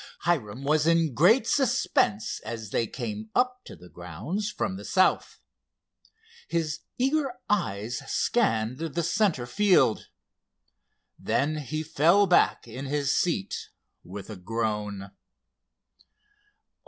Hiram was in great suspense as they came up to the grounds from the south. His eager eyes scanned the center field. Then he fell back in his seat with a groan.